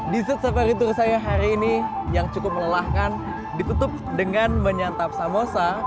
desert safari tour saya hari ini yang cukup melelahkan ditutup dengan menyantap samosa